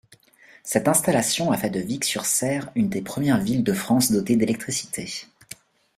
Cette installation a fait de Vic-sur-Cère une des premières villes de France dotée d'électricité.